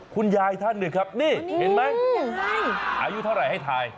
คุณยายท่านหนึ่งครับนี่เห็นไหมอายุเท่าไหร่ให้ถ่าย